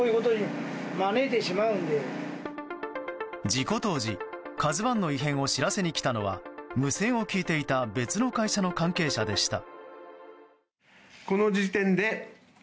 事故当時「ＫＡＺＵ１」の異変を知らせに来たのは無線を聞いていた別の会社の関係者でした。